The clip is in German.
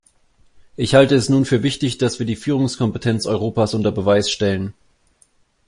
Ich halte es nun für wichtig, dass wir die Führungskompetenz Europas unter Beweis stellen.